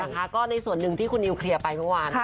ก็ในส่วนหนึ่งที่คุณนิวเคลียร์ไปเมื่อวาน